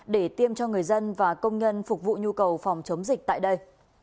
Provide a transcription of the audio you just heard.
để tiêm cho người dân và công nhân phục vụ nhu cầu phòng chống dịch tại đây